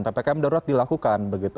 ppkm daurat dilakukan